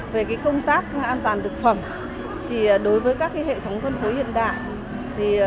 về công tác an toàn thực phẩm đối với các hệ thống phân phối hiện đại